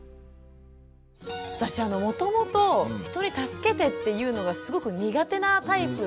私もともと人に助けてって言うのがすごく苦手なタイプで。